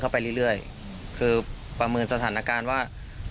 คือประเมินสถานการณ์ว่า